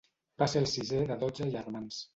Va ser el sisè de dotze germans.